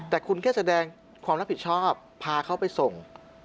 แต่คุณแค่แสดงความรับผิดชอบพาเขาไปส่ง